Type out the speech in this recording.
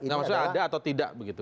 nggak maksudnya ada atau tidak begitu